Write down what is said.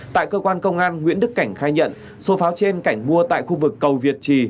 tại cơ quan công an nguyễn đức cảnh khai nhận số pháo trên cảnh mua tại khu vực cầu việt trì